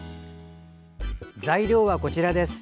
材料はこちらです。